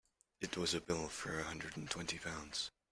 It was a bill for a hundred and twenty pounds.